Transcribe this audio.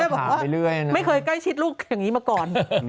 บอกว่าไม่เคยใกล้ชิดลูกอย่างนี้มาก่อน